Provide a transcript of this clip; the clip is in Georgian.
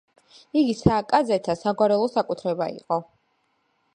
იგი სააკაძეთა საგვარეულო საკუთრება იყო.